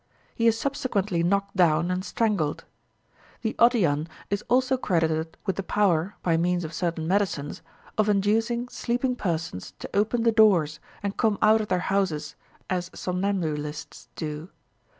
He is subsequently knocked down and strangled. The Odiyan is also credited with the power, by means of certain medicines, of inducing sleeping persons to open the doors, and come out of their houses as somnambulists do.